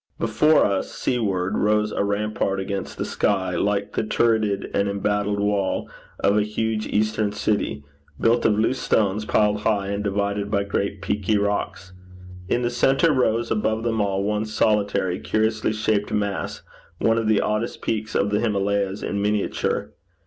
Before us, seaward, rose a rampart against the sky, like the turreted and embattled wall of a huge eastern city, built of loose stones piled high, and divided by great peaky rocks. In the centre rose above them all one solitary curiously shaped mass, one of the oddest peaks of the Himmalays in miniature.